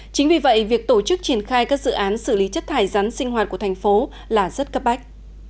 chính vì vậy việc tổ chức triển khai các dự án xử lý chất thải rắn sinh hoạt của thành phố là rất cấp bách